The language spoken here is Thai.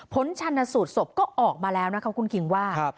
ชันสูตรศพก็ออกมาแล้วนะคะคุณคิงว่า